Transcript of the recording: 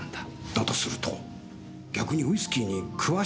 だとすると逆にウイスキーに詳しい人間ですね。